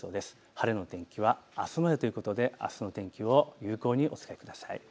晴れの天気はあすまでということであすの天気を有効にお使いください。